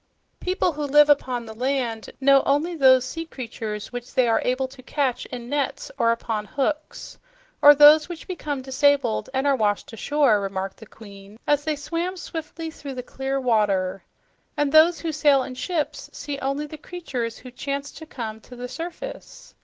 "People who live upon the land know only those sea creatures which they are able to catch in nets or upon hooks or those which become disabled and are washed ashore," remarked the Queen as they swam swiftly through the clear water. "And those who sail in ships see only the creatures who chance to come to the surface.